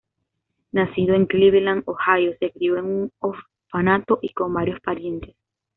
Nacido en Cleveland, Ohio, se crio en un orfanato y con varios parientes.